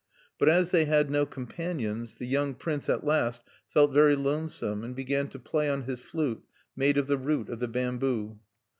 But as they had no companions, the young prince at last felt very lonesome, and began to play on his flute, made of the root of the bamboo.